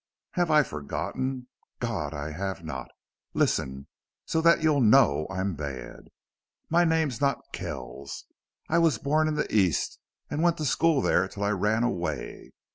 Have I forgotten? God! I have not! Listen, so that you'll KNOW I'm bad. My name's not Kells. I was born in the East, and went to school there till I ran away.